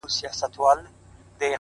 • دغه انسان بېشرفي په شرافت کوي ـ